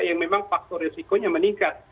yang memang faktor risikonya meningkat